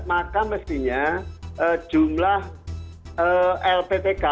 maka mestinya jumlah lptk